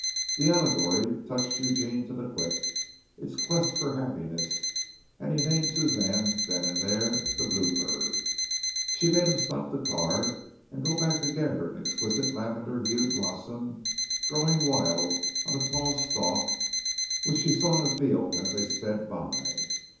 The allegory touched Eugene to the quick its quest for happiness, and he named Suzanne then and there "The Blue Bird." She made him stop the car and go back to get her an exquisite lavender hued blossom growing wild on a tall stalk which she saw in a field as they sped by.